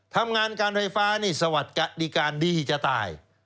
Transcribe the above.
ทำงานการไฟฟ้านี่สวัสดีการดีจะตาย